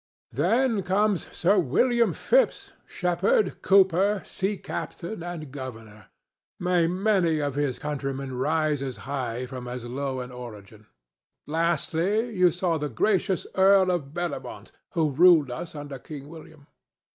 Then comes Sir William Phipps, shepherd, cooper, sea captain and governor. May many of his countrymen rise as high from as low an origin! Lastly, you saw the gracious earl of Bellamont, who ruled us under King William."